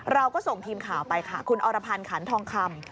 เราก็ส่งทีมข่าวไปค่ะคุณอรพันธ์ขันทองคำ